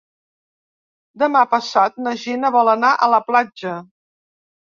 Demà passat na Gina vol anar a la platja.